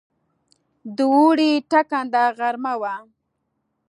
د اوړي ټکنده غرمه وه.